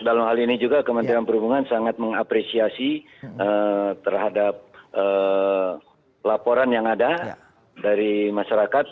dalam hal ini juga kementerian perhubungan sangat mengapresiasi terhadap laporan yang ada dari masyarakat